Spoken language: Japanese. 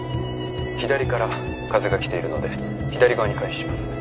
左から風が来ているので左側に回避します。